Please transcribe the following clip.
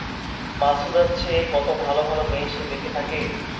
মাছুদার চেয়ে কত ভালো ভালো মেয়ে সে দেখে থাকে।